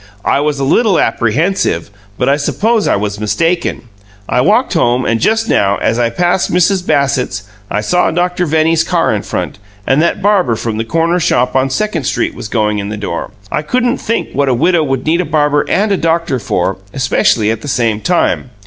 "I was a little apprehensive, but I suppose I was mistaken. I walked home, and just now, as I passed Mrs. Bassett's, I saw Doctor Venny's car in front, and that barber from the corner shop on Second Street was going in the door. I couldn't think what a widow would need a barber and a doctor for especially at the same time.